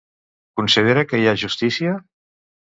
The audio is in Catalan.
Considera que hi ha justícia?